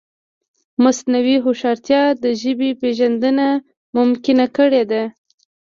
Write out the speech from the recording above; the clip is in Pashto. مصنوعي هوښیارتیا د ژبې پېژندنه ممکنه کړې ده.